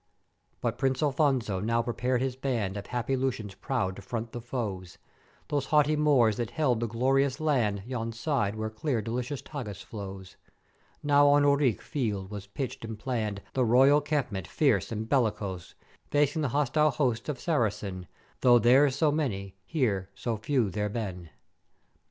"But Prince Afonso now prepared his band of happy Lusians proud to front the foes, those haughty Moors that held the glorious land yon side where clear delicious Tagus flows: Now on Ourique field was pitched and plan'd the Royal 'Campment fierce and bellicose, facing the hostile host of Sarrasin though there so many, here so few there bin.